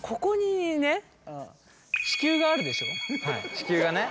地球がね。